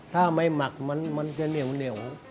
ถ้าไม่หมักมันจะเหนียว